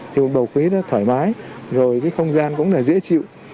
thì bầu khí rất thoải mái rồi cái không gian cũng là dễ chịu